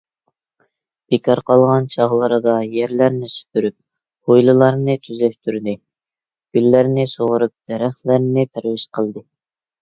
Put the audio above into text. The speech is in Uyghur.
بىكار قالغان چاغلىرىدا يەرلەرنى سۈپۈرۈپ، ھويلىلارنى تۈزەشتۈردى. گۈللەرنى سۇغىرىپ، دەرەخلەرنى پەرۋىش قىلدى.